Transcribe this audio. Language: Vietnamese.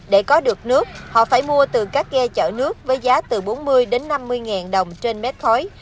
để có được nước họ phải mua từ các ghe chở nước với giá từ bốn mươi đến năm mươi ngàn đồng trên mét khối